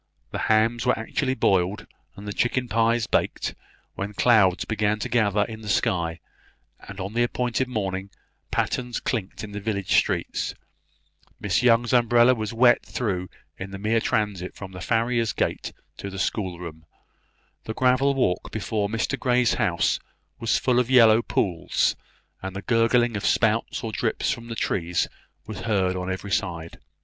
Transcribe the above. The hams were actually boiled, and the chicken pies baked, when clouds began to gather in the sky; and on the appointed morning, pattens clinked in the village street, Miss Young's umbrella was wet through in the mere transit from the farrier's gate to the schoolroom; the gravel walk before Mr Grey's house was full of yellow pools, and the gurgling of spouts or drips from the trees was heard on every side.